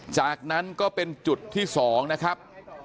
จากนั้นก็เป็นจุดที่๒นะครับ